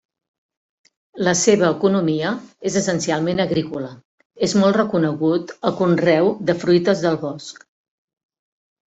La seva economia és essencialment agrícola: és molt reconegut el conreu de fruites del bosc.